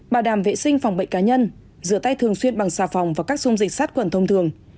bảo đảm vệ sinh phòng bệnh cá nhân rửa tay thường xuyên bằng xà phòng và các dung dịch sát khuẩn thông thường